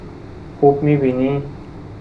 خوب می بینی؟